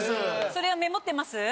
それはメモってます？